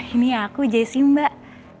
ini aku jessy mbak